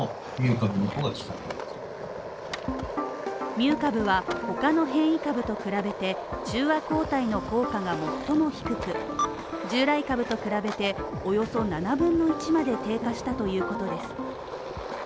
ミュー株はほかの変異株と比べて中和抗体の効果が最も低く従来株と比べておよそ７分の１まで低下したということです